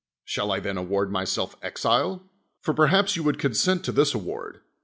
Shall I then award myself exile? For perhaps you would consent to this award.